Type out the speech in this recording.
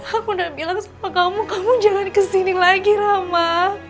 aku udah bilang kamu kamu jalan kesini lagi rama